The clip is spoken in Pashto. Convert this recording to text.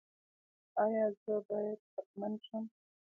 ایا زه باید شکمن شم؟